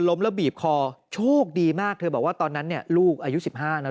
ล้มแล้วบีบคอโชคดีมากเธอบอกว่าตอนนั้นเนี่ยลูกอายุ๑๕นะ